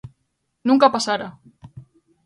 Nunca pasara.